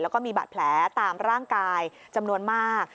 แล้วก็มีบาดแผลตามร่างกายจำนวนมาก